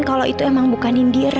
kalau itu emang bukan nindir